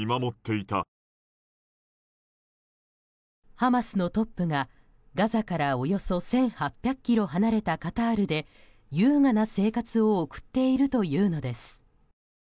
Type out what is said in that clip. ハマスのトップがガザからおよそ１８００ｋｍ離れたカタールで優雅な生活を送っているというのです。